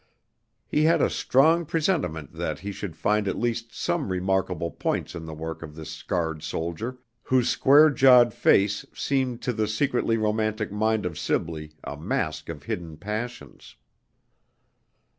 He had a strong presentiment that he should find at least some remarkable points in the work of this scarred soldier, whose square jawed face seemed to the secretly romantic mind of Sibley a mask of hidden passions.